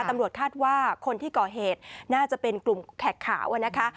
ตำรวจคาดว่าคนที่ก่อเหตุน่าจะเป็นกลุ่มแขกขาวนะคะ